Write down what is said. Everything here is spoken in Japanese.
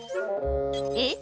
「えっ？